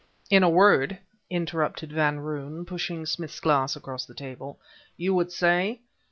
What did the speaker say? "In a word," interrupted Van Roon, pushing Smith's glass across the table "you would say?